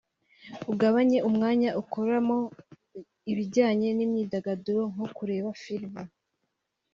ugabanye umwanya ukoramo ibijyanye n'imyidagaduro nko kureba film